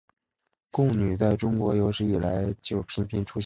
贡女在中国有史以来就频频出现在中国史书中。